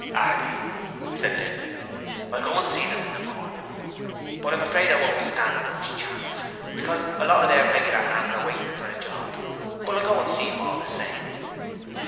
'Are they?' said Linden. 'I'll go and see them in the morning. But I'm afraid I won't stand much chance, because a lot of their regular hands are waiting for a job; but I'll go and see 'em all the same.'